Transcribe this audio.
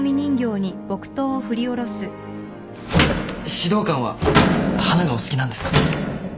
指導官は花がお好きなんですか？